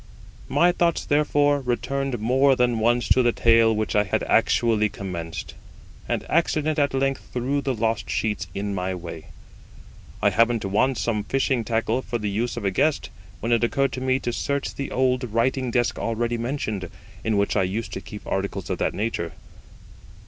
My thoughts, therefore, returned more than once to the tale which I had actually commenced, and accident at length threw the lost sheets in my way. I happened to want some fishing tackle for the use of a guest, when it occurred to me to search the old writing desk already mentioned, in which I used to keep articles of that nature.